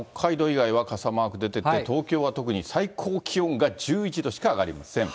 以外は傘マーク出てて、東京は特に最高気温が１１度しか上がりません。